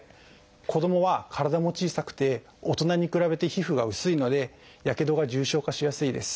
子どもは体も小さくて大人に比べて皮膚が薄いのでやけどが重症化しやすいです。